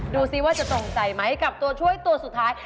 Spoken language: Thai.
ดูสิว่าจะตรงใจไหมกับตัวช่วยตัวสุดท้าย